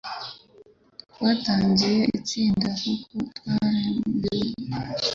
Twatangiye itsinda kuko twarambiwe.